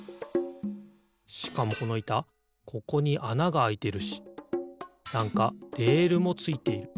しかもこのいたここにあながあいてるしなんかレールもついている。